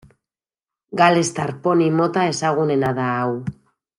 Galestar poni mota ezagunena da hau.